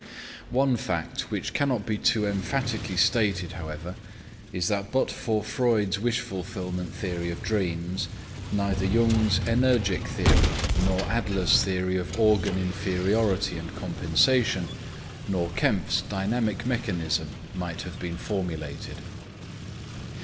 One fact which cannot be too emphatically stated, however, is that but for Freud's wishfulfillment theory of dreams, neither Jung's "energic theory," nor Adler's theory of "organ inferiority and compensation," nor Kempf's "dynamic mechanism" might have been formulated.